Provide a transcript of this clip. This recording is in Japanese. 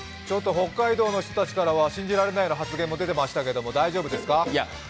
北海道の人たちから信じられないような発言も出てましたが、大丈夫ですか。